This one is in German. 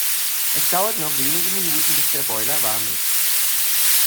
Es dauert noch einige Minuten, bis der Boiler warm ist.